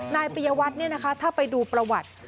นายปริยาวัฒน์เนี่ยนะคะถ้าไปดูประวัติ